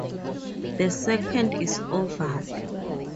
The second is oval.